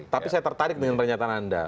tapi saya tertarik dengan pernyataan anda